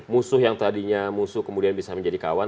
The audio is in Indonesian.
musuh yang tadinya musuh kemudian bisa menjadi kawan